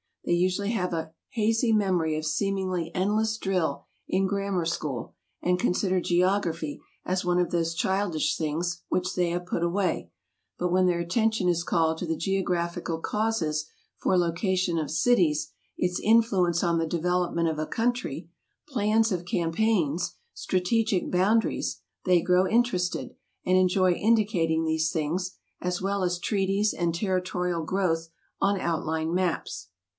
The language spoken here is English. They usually have a hazy memory of seemingly endless drill in grammar school, and consider geography as one of those childish things which they have put away, but when their attention is called to the geographical causes for location of cities, its influence on the development of a country, plans of campaigns, strategic boundaries, they grow interested, and enjoy indicating these things, as well as treaties and territorial growth on outline maps.